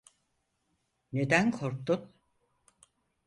Neden korktun?